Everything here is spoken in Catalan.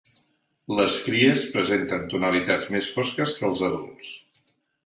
Les cries presenten tonalitats més fosques que els adults.